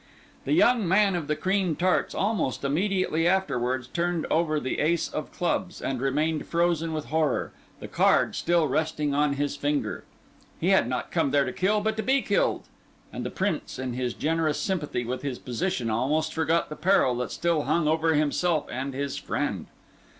The young man of the cream tarts almost immediately afterwards turned over the ace of clubs, and remained frozen with horror, the card still resting on his finger; he had not come there to kill, but to be killed; and the Prince in his generous sympathy with his position almost forgot the peril that still hung over himself and his friend.